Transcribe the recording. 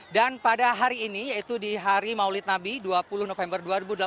dan pada hari ini yaitu di hari maulid nabi dua puluh november dua ribu delapan belas